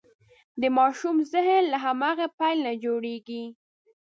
د ماشوم ذهن له هماغې پیل نه جوړېږي.